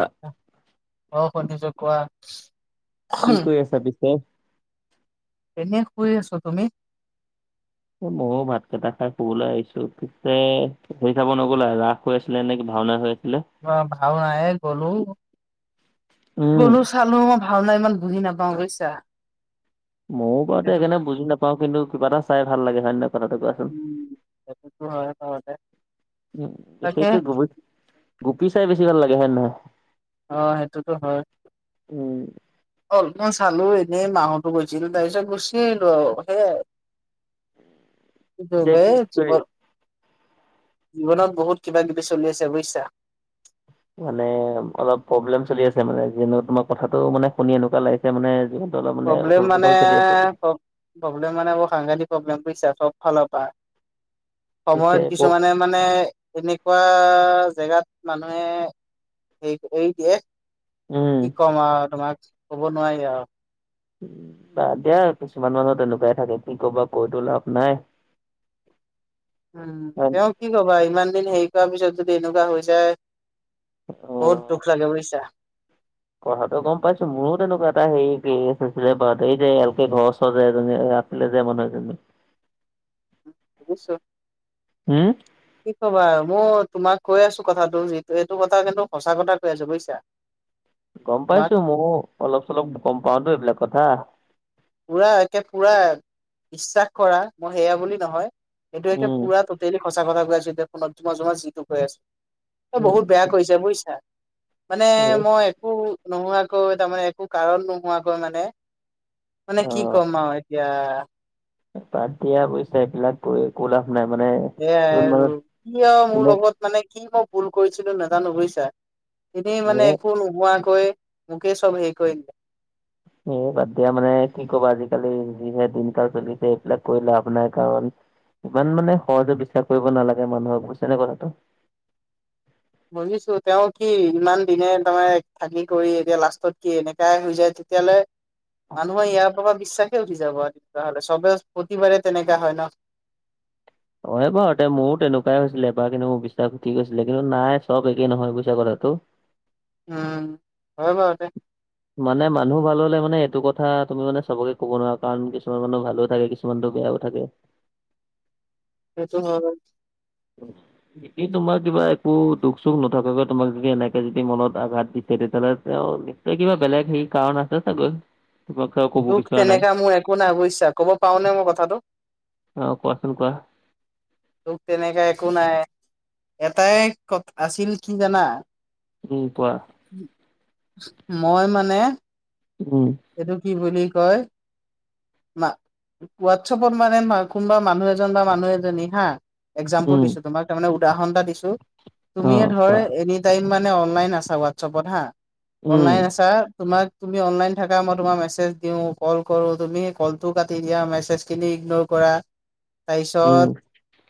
অঁ। অঁ শুনিছো কোৱা। কি কৰি আছা পিছে। এনে শুই আছো তুমি। এ ময়ো ভাত কেইটা খাই শুবলৈ আহিছো পিছে সেৰি চাব নগ'লা ৰাস। হৈ আছিলে নে কি ভাওনা হৈ আছিলে। অঁ ভাওনা এ গ'লো উম। গলো চালো মই। ভাওনা ইমান বুজি নাপাওঁ বুইছা। মইও বাৰু সেই বুজি নাপাও কিন্তু কিবা এটা চাই ভাল লাগে হয় নাই কথাটো কোৱাচোন। উম সেইটোতো হয় ঘৰতে তাকে [unintelligible] গোপী চাই বেছি ভাল লাগে হয় নহয়। অঁ সেইটোতো হয়। উম। অলপমান চালো এনেই মাহতো গৈছিলো তাৰপিছত গুচি আহলো আৰু সেইয়াই। কি পিছে বাই কৰি যিবোৰ। জীৱনত বহুত কিবা কিবি চলি আছে বুজিছা। মানে অলপ প্ৰব্লেম চলি আছে মানে যেনে ও তোমাক কথাটো মানে শুনি এনেকুৱা লাগিছে মানে য, প্ৰব্লেম মানে প্ৰব্লেম মানে বৰ সাংঘাতিক প্ৰব্লেম বুইছা চব ফালৰ পৰা। পিছে সময়ত ক- কিছুমানে মানে, এনেকুৱা জেগাত মানুহে হেৰি এৰি দিয়ে। উম। কি কম আৰু তোমাক ক'ব নোৱাৰি আৰু বাদ দিয়া কিছুমান মানুহৰ তেনেকুৱাই থাকে কি কবা কৈতো লাভ নাই। উম হয়- তেওঁ কি কবা ইমান দিন হেৰি কৰ পিছত যদি এনেকুৱা হৈ যায়। বহুত অ দুখ লাগে বুজিছা। কথাটো গম পাইছো মোৰো তেনেকুৱা এটা হৰি কেচ আছিলে বা এই যে কে ঘৰ ওচৰ যে এজনী। আছিলে যে মানুহ এজনী। বুজি ছো। হম। কি কবা আৰু মই তোমাক কৈ আছো কথাটো যিটো এইটো কথা কিন্তু সঁচা কথা কৈ আছো বুজিছা। গম তোমাক পাইছো ময়ো অলপ চলপ গম পাওতো এইবিলাক কথা। পুৰা একে পুৰা বিশ্বাস কৰা মই সেয়া বুলি নহয় এইটো একে উম পুৰা টুটেলি, সঁচা কথা কৈ আছোঁ এতিয়া ফোনত তোমা যিটো কথা কৈ আছে উম বহুত বেয়া কৈছে বুজিছা, মানে এই মই একো নোহোৱাকৈ তাৰমানে একো কাৰণ নোহোৱাকৈ মানে, মানে অ কি ক'ম আৰু এতিয়া। বাদ দিয়া বুইচা এইবিলাক কৈ একো লাভ নাই মানে। এয়াই যোন আৰু মানুহ কি আৰু মোৰ যোনে লগত মানে কি মই ভুল কৰিছিলো নাজানো বুজিছা, এনেই এ মানে একো নোহোৱাকৈ মোকে চব হেৰি কৰিলে। এই বাদ দিয়া মানে কি ক'বা আজিকালি যিহে দিনকাল চলিছে সেইবিলাক কৈ লাভ নাই কাৰণ, ইমান মানে সহজে বিশ্বাস কৰিব নালাগে মানুহক বুজছে নে কথাটো। বুজিছো তেওঁ কি ইমান দিনে তাৰমানে থাকি কৰি এতিয়া লাষ্টত কি এনেকাই হৈ যায়, কেলে। মানুহে ইয়াৰ পৰা বিশ্বাসে উঠি যাব আৰু তেতিয়াহ'লে চবে প্ৰতিবাৰে তেনেকা হয় ন। অ এই বাৰ তে মোৰো তেনেকুৱাই হৈছিলে এবাৰ কিন্তু মোৰ বিশ্বাস উঠি গৈছিলে কিন্তু নাই চব একেই নহয় বুজিছা কথাটো, উম হয় বাৰু দে। মানে মানুহ ভাল হ'লে মানে এইটো কথা তুমি মানে চবকে ক'ব নোৱাৰা কাৰণ কিছুমান মানুহ ভালো থাকে কিছু, কিছু মানটো বেয়াও থাকে। সেইটো হয় বাৰু [unintelligible] একেই তোমাৰ কিবা একো দুখ - চুখ নথকাকে তোমাক যদি এনেকে যদি মনত আঘাত দিছে তেতিয়াহ'লে তেওঁ এ কিবা বেলেগ সেই কাৰণ আছে চাগৈ কিবা কাকো দুখ তেনেকা মোৰ একো নাই বুজিছা ক'ব পাও নে মই কথাটো? অ কোৱাচোন কোৱা? দুখ তেনেকা একো নাই, এটাই ক আছিল কি জানা? উম কোৱা? মই মানে উম। এইটো কি বুলি কয় মা হোৱাটছপত মানে কোনোবা মানুহ এজন বা মানুহ এজনী হা একজাম্পল উম দিছো তোমাক তাৰে উদাহৰন এটা দিছো অ তুমিয়ে ধৰ কোৱা এনি তাই মানে অনলাইন আছা ৱাটছএপত হা, উম অনলাইন আছা তোমাক তুমি অনলাইন থাকা, মই তোমাক মেচজ দিওঁ, কল কৰোঁ তুমি কলটো কাটি দিয়া, মেছেজখিনি ইগনৰ কৰা উম তাৰপিছত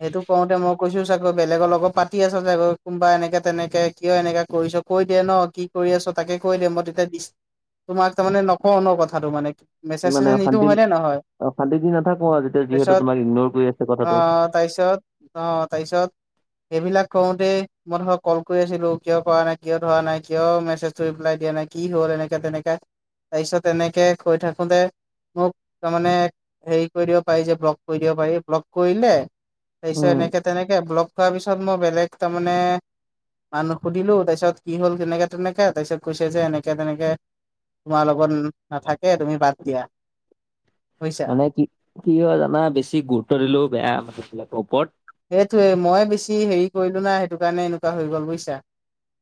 সেইটো কওঁতে মই কৈছো চাগৈ বেলেগৰ লগত পাতি আছা চাগৈ, কোনোবা এনেকে তেনেকে কিয় এনেকা কৰিছ কৈ দিয়ে ন কি কৰি আছ তাকে কৈ দে মই তেতিয়া দিচ, তোমাক তাৰ মমানে নকওঁ ন কথাটো মানে মেছেজ চেছেজ মানে নিদিওঁ অশান্তি হয় নে নহয় - অশান্তি দি নাথাকো আজি, যিহেতু তাৰপিছত তোমাক ইগনৰ কৰি আছে কথাটো। আহ তাৰপিছত, অ তাৰপিছত সেইবিলাক কৰোতেই মই ধৰক কল কৰি আছিলো, কিয় কৰা নাই কিয় ধৰা নাই কিয় মেছেজটো ৰিপ্লাই দিয়া নাই কি হ'ল এনেকা - তেনেকা? তাৰপিছত এনেকে কৈ থাকোতে মোক তাৰমানে হেৰি কৰি দিব পাৰি যে ব্লক কৰি দিব পাৰি, ব্লক কৰিলে তাৰপিছত উম এনেকে তেনেকে, ব্লক কৰা পিছত মই বেলেগ তাৰমানে বা নুসুধিলো তাৰপিছত কি হল কেনেকে- তেনেকে তাৰপিছত কৈছে যেনেকে- তেনেকে তোমাৰ লগত নাথাকে তুমি বাদ দিয়া। বুজিছা মানে কি কি হয় জানা বেছি গুৰুত্ব দিলেও বেয়া মানুহবিলাকৰ ওপৰত। সেইটোয়ে মই বেছি হেৰি কৰিলো না সেইটো কাৰণে এনেকুৱা হৈ গ'ল বুজিছা।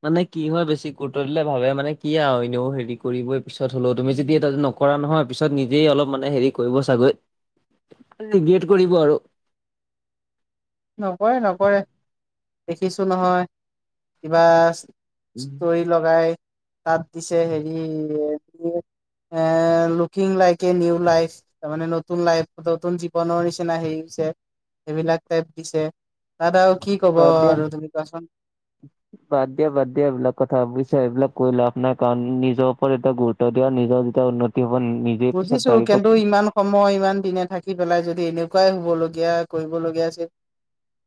মানে কি হয় বেছি গুৰুত্ব দিলে ভাবে মানে কি আৰু এনেও হেৰি কৰিবই পিছত হলেও তুমি যে দিয়া ন কৰা নহয়, পিছত নিজেই অলপ মানে হেৰি কৰিব চাগৈ, ৰিগৰেট কৰিব আৰু। নকৰে নকৰে। দেখিছো নহয় কিবা উম, ষ্টৰি লগাই, তাত দিছে হেৰি হেৰি এই looking like a new life. তাৰ মানে নতুন লাইফ, নতুন জীৱনৰ নিচিনা হেই হৈছে সেইবিলাক এ পিছে তাত আৰু কি কব বাদ দিয়া আৰু তুমি কোৱাচোন? বাদ দিয়া, বাদ দিয়া। এইবিলাক কথা বুজিচা? এইবিলাক কৰি লাভ নাই, কাৰণ নিজৰ ওপৰত এটা গুৰু ত দিয়া নিজৰ যেতিয়া উন্নতি হব নি নি বুজিছো কেন্তু ইমান সময়, ইমান দিনে থাকি পেলাই যদি এনেকুৱাই হব লগীয়া কৰিব‌ লগীয়া আছিল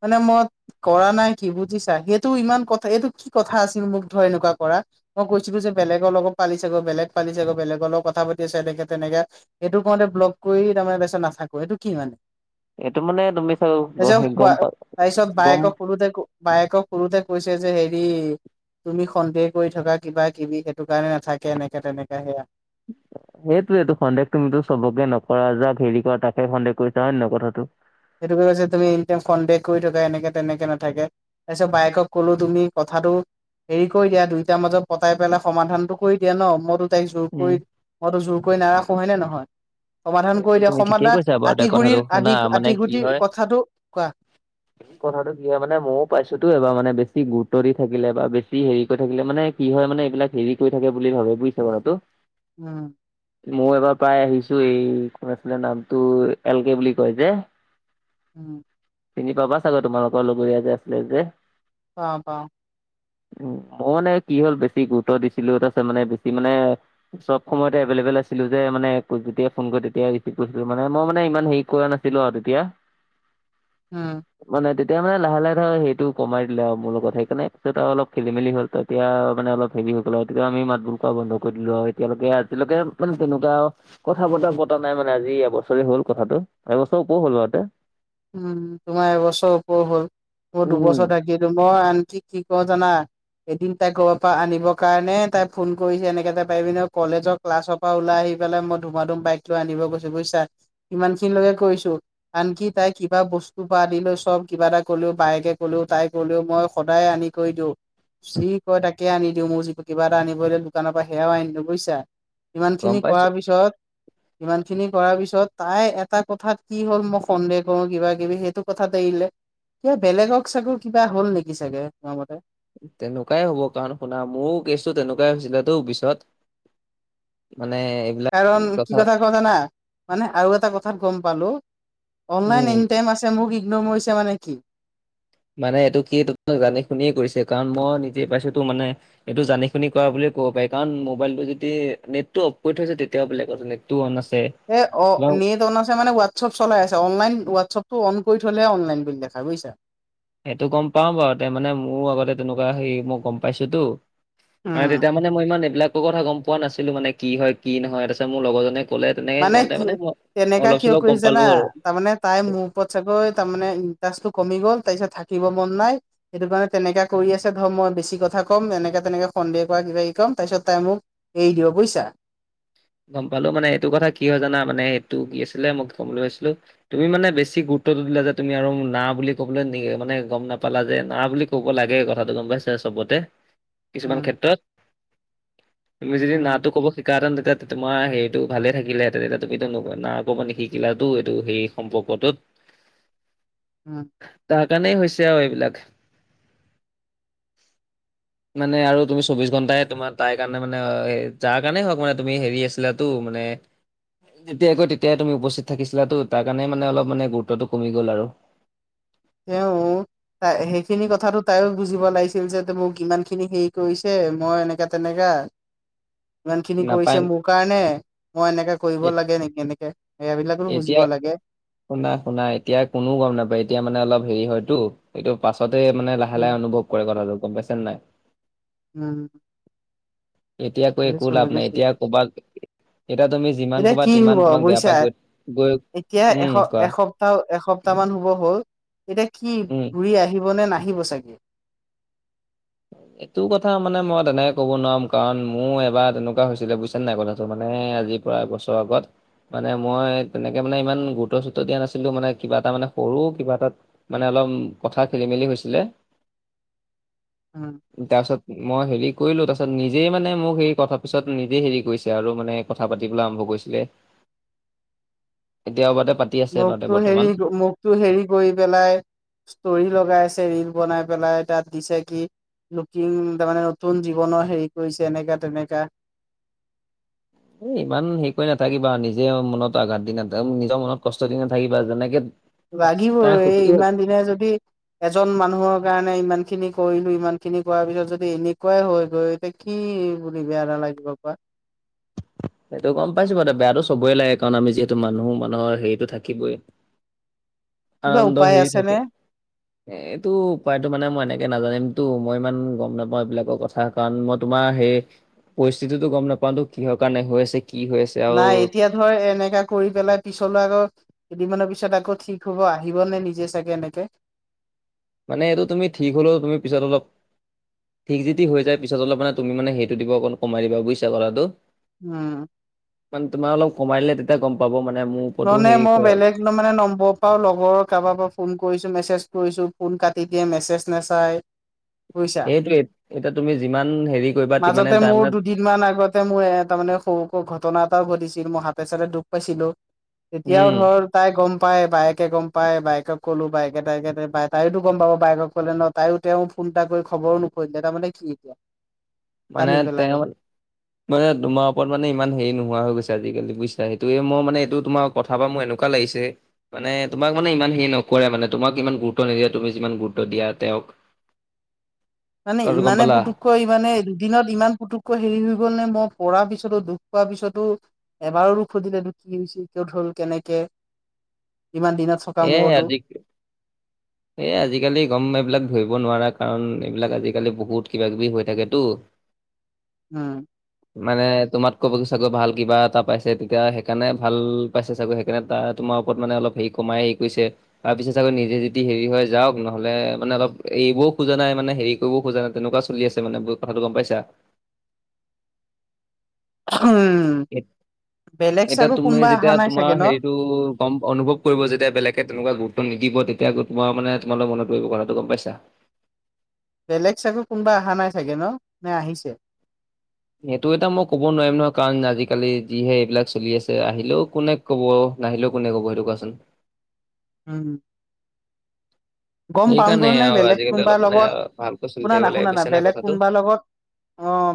মানে মই কৰা নাই কি বুজিছা? সেইটো ইমান কথা এইটো কি কথা আছিল মোক ধৰ এনেকুৱা কৰা। মই কৈছিলো যে, বেলেগৰ লগ পালি চাগৈ বেলেগ পালি চাগৈ, বেলেগৰ লগ কথা আছো এনেকে তেনেকে সেইটো কওঁতে ব্লক কৰি, তাৰমানে তাছত নাথাকো এইটো কি মানে? এইটো মানে তুমি চাগ তাছত গম পোৱা পা তাৰপিছত গম বায়েক সোধোতে ক বায়েকক সোধোতে কৈছে যে হেৰি তুমি সন্দেহ কৰি থকা, কিবা - কিবি সেইটো কাৰণে নাথাকে এনেকা তেনেকা সেয়া। সেইটোয়েটো, সন্দেহ তুমিতো চবকে নকৰা যাক হেৰি কৰা, তাকে সন্দেহ কৰিছা হয় নে নহয় কথাটো? সেইটো‌ হৈ কৈছে তুমি ইনাই ফডে কৰি থকা এনেকে তেনেকে নাথাকে। তাৰপিছত বায়েকক কলো তুমি কথাটো হেৰি কৰি দিয়া, দুইটাৰ মাজত পতাই পেলাই সমাধানটো কৰি দিয়া ন মই‌তো তাইক জোৰ উম কৰি, মইতো জোৰ কৰি নাৰাখো হয় নে নহয়? সমাধান সেইটো কৰি দিয়া, তুমি ঠিকেই সমাধান কৈছা বাৰু তে আদি‌ কথাটো গুৰিৰ শুনা আদি মানে কি আতিগুটিৰ হয়। কথাটো কোৱা কথাটো কি হয় মানে ময়ো পাইছোটো এবাৰ মানে বেছি গুৰুত্ব দি থাকিলে বা বেছি হেৰি কৰি থাকে মানে। কি হয় মানে, এইবিলাক হেৰি কৰি থাকে বুলি ভাবে বুইছে কথাটো। উম। ময়ো এবাৰ প্ৰায় আহিছো এই কোন আছিলে নামটো এল কে বুলি কয় যে। উ'ম। চিনি পাবা চাগৈ, তোমালোকৰ লগৰীয়া যে আছিলে যে। পাওঁ পাওঁ। উ মইয়ো মানে কি হ'ল, বেছি গুৰুত্ব দিছিলো তাছত মানে বেছি মানে চব সময়তে এভেলেবল আছিলো যে মানে কোটগুটিয়ে ফোন কৰে তেত- এতিয়া‌ ৰিচিভ কৰিছিলো, মানে মই মানে ইমান হেৰি কৰা নাছিলো আৰু তেতিয়া। উম। মানে তেতিয়া মানে লাহে লাহে ধৰ সেইটো কমাই দিলে আৰু মোৰ লগত সেইকাৰণে পিছত আও অলপ খেলি মেলি হ'ল তাক তিয়া মানে অলপ হেৰি হৈ গল আৰু তেতিয়া আও, তেতিয়া আমি মাত বোৰ খ বন্ধ কৰি দিলো আৰু এতিয়ালৈকে আজিলৈকে মানে তেনেকুৱা আও কথা বতৰা পতা নাই মানে আজি এবছৰে হল কথাটো, এবছৰ ওপৰ হ'ল বাৰতে। উম তোমাৰ এবছৰ ওপৰৰ হ'ল, মো উম দুবছৰ থাকি দোম আনকি, কি ক জানা? এদিন তাইক ঘৰৰ পৰা আনিবৰ কাৰণে তাই ফোন কৰিছে, এনেকে তাই পাৰিবি ন কলেজক ক্লাছৰ পৰা ওলাই আহি পেলাই মই ধুমা ধুম বাইক লৈ আন গৈছো, বুইছা? ইমান খিনিলৈকে কৰিছো, আনকি তাই কিবা বস্তু পৰা আদি লৈ, চব কিবা এটা কলেও বায়েকে ক'লেও, তাই কলেও মই সদায় আনি কৰি দিও। যি কয় তাকে আনি‌ দিও, মোৰ যিটো কিবা এটা আনিব‌লে দোকানৰ পৰা সেয়াও আনি দিওঁ বুইছা। ইমান গম খিনি পাইছো কৰাৰ পিছত ইমান খিনি কৰাৰ পিছত তাই এটা কথাত কি হ'ল, ম সন্দেহ ক কিবা কিবি সেইটো কথা এৰিলে ক বেলেগক চাগ কিবা হল নেকি চাগে তোমাৰ মতে তেনেকুৱাই হ'ব কাৰণ শুনা মোৰো কেছো তেনেকুৱাই হৈছিলেতো পিছত মানে কাৰণ কি কথা ক জানা মানে আৰু এটা কথাত গম পালো। উম অনলাইন এনি টাইম আছে মোক ইগনো মইছে মানে কি? মানে এইটো কি তাক জানি শুনিয়ে কৰিছে কাৰণ মই নিজে পাইছোটো। মানে এইটো জানি শুনি কৰা ব বুলি ক'ব পাৰি কাৰণ মোবাইলটো যদি নেটটো অফ কৰি থৈছে তেতিয়াও বেলেগ কথা নেটটো অন আছে। এ অ তোমাক নেদ আছে মানে ৱা- ছপ চলাই আছে অনলাইন হোৱাটছপটো অন কৰি থলে অনলাইন বুলি দেখাই বুজিছা। এইটো গম পাও বাৰু তে মানে মোৰো আগতে তেনেকুৱা হেৰি মই গম পাইছোটো। মানে উম তেতিয়া মানে মই ইমান এইবিলাকো কথা গম পোৱা নাছিলো মানে কি হয় কি নহয় তাছত মোৰ লগৰজনে ক'লে তেনেকে কওঁতে মানে মই তেনেকা অলপ কিয় চলপ গম কৰিছে জানা পালো আৰু। তাৰমানে তাই মোৰ ওপৰত চাগৈ তাৰমানে ইণ্টাৰেষ্টটো কমি গ'ল তাইছত থাকিব মন নাই। সেইটো কাৰণে তেনেকা কৰি আছে ধৰ মই বেছি কথা কম, এনেকে তেনেকে সন্দেহ কৰা কিবা কম। তাইছত তাই মোক এৰি দিব বুইছা। গম পালো মানে এইটো কথা কি হয় জানা মানে এইটো কি আছিলে মই কবলে গৈছিলো। তুমি মানে বেছি গুৰুত্বটো দিলা যে তুমি আৰু না বুলি কবলৈ নি মানে গম নাপালা যে না বুলি ক'ব লাগে কথাটো গম পাইছে চবতে কিছুমান উম ক্ষেত্ৰত তুমি যদি উম নাটো ক'ব শিকা হেতেন তেতেত তেতে তোমাৰ সেইটো ভালে থাকিলেঁতে তেতিয়া তুমিতো না কব নিশিকিলা এইটো সেই সম্পৰ্কটোত। [inaudible] উম। তাৰ কাৰণেই হৈছে আও এইবিলাক। মানে আৰু তুমি চৌবিশ ঘণ্টাই তোমাৰ তাই কাৰণে মানে যাৰ কাৰণেই হওক মানে তুমি হেৰি আছিলাতো মানে যেতিয়াই কয় তেতিয়াই তুমি উপস্থিত থাকিছিলা তাৰ কাৰণে মানে অলপ মানে গুৰুত্বতো কমি গল আৰু। তেওঁ তাই সেইখিনি কথাটো তায়ো বুজিব লাগিছিল যে মোক ইমান খিনি হেৰি কৰিছে মই এনেকা তেনেকা ইমান খিনি কৰিছে নাপায় মোৰ কাৰণে মই এনেকে কৰিব এ লাগে নেকি এনেকে? এই বিলাকৰো বুজিব লাগে। শুনা-শুনা এতিয়া কোনো গম নাপায় এতিয়া মানে অলপ হেৰি হয়তো এইটো পাছতহে মানে উম লাহে-লাহে অনুভৱ কৰে কথাটো গম পাইছে নে নাই। উম এতিয়া কৈ একো বুজিছো লাভ নাই বুজিছো এতিয়া কবাত এতিয়া তুমি যিমান এতিয়া কবা কি তিমান হব তোমাক বেয়া বুজিছা পাই গৈ গৈ এতিয়া এ উম কোৱা এসপ্তাহ-এসপ্তাহ মান হব হ'ল। এতিয়া কি উম ঘূৰি আহিব নে নাহিব চাগে? এইটো কথা মানে মই তেনেকে ক'ব নোৱাৰম কাৰণ মোৰ এবাৰ তেনেকোৱা হৈছিলে বুইছে নাই কথাটো মানে আজি প্ৰায় এবছৰ আগত মানে মই তেনেকে মানে ইমান গুৰুত্ব চুৰুত্ব দিয়া নাছিলো মানে কিবা এটা মানে সৰু কিবা এটাত মানে অলপ কথা খেলি মেলি হৈছিলে। উম তাৰপিছত মই হেৰি কৰিলো তাৰ পিছত নিজেই মানে মোক সেই কথা পিছত নিজে হেৰি কৰিছে আৰু মানে কথা পাতিবলে আৰম্ভ কৰিছিলে। এতিয়া আগতে পা মোকতো হেৰি মোকতো হেৰি কৰি পেলাই ষ্টৰি লগাই আছে ৰিল বনাই পেলাই তাত দিছে কি লুকিং তাৰমানে নতুন জীৱনৰ হেৰি কৰিছে এনেকা তেনেকা এ ইমান হেৰি কৰি নাথাকিবা নিজে মনত আঘাত দি নাথাকে নিজৰ মনত কষ্ট দি নাথাকিবা, যেনেকে তাই লাগিবই সুখী হৈ ইমান দিনে যদি এজন মানুহৰ কাৰণে ইমানখিনি কৰিলো ইমানখিনি কৰাৰ পিছত যদি এনেকোৱাই হয় গৈ তে কি বুলি বেয়া নালাগিব কোৱা। সেইটো গম পাইছো বাৰু বেয়াটো চবই লাগে কাৰণ আমি যিহেতু মানুহ মানুহৰ হেৰিতো থাকিবই। কিবা আনন্দ উপায় হেৰি আছেনে থাকে। এ এইটো উপায়তো মানে মই এনেকে নাজানিমতো, মই ইমান গম নাপাও এইবিলাকৰ ক থা কাৰণ মই তোমাৰ সেই পৰিস্থিতিটো গম নাপালো কিহৰ কাৰণে হৈ আছে কি হৈ আছে আৰু নাই এতিয়া ধৰ এনেকা কৰি পেলাই পিছলৈ আকৌ কেইদিনমানৰ পিছত আকৌ ঠিক হব আহিব নে নিজে চাগে এনেকে মানে এইটো তুমি ঠিক হলেও তুমি পিছত অলপ ঠিক যদি হৈ যায় পিছত অলপ মানে তুমি মানে সেইটো দিব অকণ কমাই দিবা বুইছা কথাটো। উম মানে তোমাৰ অলপ কমাই দিলে তেতিয়া গম পাব মানে মোক ননে মই বেলেগ মানে নম্বৰ পাও লগৰ কাৰোবাৰ পৰা ফোন কৰিছো, মেছেজ কৰিছো, ফোন কাটি দিয়ে, মেছেজ নাচাই বুজিছা সেইটোৱেই এতিয়া তুমি যিমান হেৰি কৰিবা তিমানে তাই মানে ইমান আগতে মই তাৰমানে সৰু ঘটনা এটাও ঘটিছিল মই হাতে চাতে দুখ পাইছিলো। এতিয়াও উম ধৰ তাই গম পায় বায়েকে গম পায় বায়েকক ক'লো বায়েকে তাইকে তাইওতো গম পাব বাইকক ক'লে নত তাইও তেওঁ ফোন এটা কৰি খবৰো নকৰিলে, তাৰমানে কি এতিয়া মানে জানি পেলাই তেওঁ মানে তোমাৰ ওপৰত মানে ইমান হেৰি নোহোৱা গৈছে আজি কালি বুইছা। সেইটোৱে মই মানে এইটো তোমাক কথাপা মোৰ এনেকোৱা লাগিছে মানে তোমাক মানে ইমান হেৰি নকৰে মানে তোমাক ইমান গুৰুত্ব নিদিয়ে তুমি যিমান গুৰুত্ব দিয়া তেওঁক [inaudible] মানে কথাটো গম ইমানে পালা পুটু কৈ মানে দুদিনত ইমান পুতুককৈ হেৰি হৈ গ'ল নে মই পৰা পিছতো দুখ পোৱাৰ পিছতো এবাৰো নুসুধিলেতো কি হৈছে? কত হ'ল কেনেকে? [inaudible] ইমান দিনত থকা মূৰতো। এই আজিকালি গম এইবিলাক ধৰিব নোৱাৰা কাৰণ এইবিলাক আজিকালি বহুত কিবা কিবি হৈ থাকেতো। [inaudible] উম। মানে তোমাত ক'ব গৈ চাগৈ ভাল কিবা এটা পাইছে তেতিয়া সেইকাৰণে ভাল পাইছে চাগৈ। সেইকাৰণে তোমাৰ ওপৰত মানে অলপ হে কমাই সেৰি কৰিছে। তাৰ পিচে চাগৈ নিজে যে যি হেৰি হয় যাওক নহ'লে মানে অলপ এৰিবও খোজা নাই মানে হেৰি কৰিব খোজা নাই তেনেকুৱা চলি আছে মানে বু কথাটো গম পাইছা? উহুম এত- বেলেগ চাগৈ কোনোবা অহা নাই চাগে ন? বো গম অনুভৱ কৰিব যেতিয়া বেলেগে তেনেকুৱা গুৰুত্ব নিদিব তেতিয়া তোমাৰ মানে তোমালোক মনত পৰিব কথাটো গম পাইছা? বেলেগ চাগৈ কোনোবা অহা নাই চাগে ন নে আহিছে? সেইটো এটা মই ক'ব নোৱাৰিম নহয় কাৰণ আজিকালি যিহে এইবিলাক চলি আছে, আহিলেও কোনে ক'ব, নাহিলেও কোনে কব সেইটো কোৱাচোন? উম হু। গ'ম সেইকাৰণে পাওঁগৈ নে আৰু বেলেগ আজিকালি অলপ কোনোবাৰ মানে লগত, ভালকৈ চলি শুনা থাকিব না লাগে শুনা না বুজিছা নে বেলেগ কথাটো। কোনোবাৰ লগত অ